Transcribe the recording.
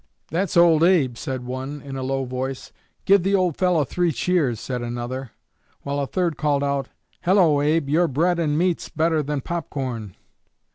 'That's Old Abe,' said one, in a low voice. 'Give the old fellow three cheers,' said another; while a third called out, Hello, Abe, your bread and meat's better than pop corn!'